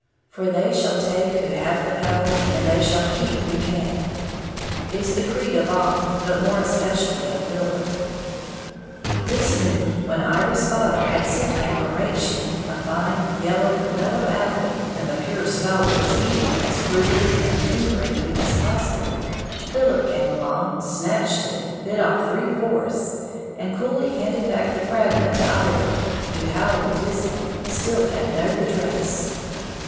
"For they shall take who have the power, and they shall keep who can," is the creed of all, but more especially of Philip. This noon, when Iry's father had sent him from Rakeshin a fine, yellow, mellow apple, and the "pure scholar" was eating it as frugally and lingeringly as possible, Philip, came along, snatched it, bit off three fourths, and coolly handed back the fragment to Iry, who, howling dismally, still had no redress.